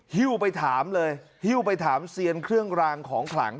ฮิ้วไปถามเลยฮิ้วไปถามเซียนเครื่องรางของขลัง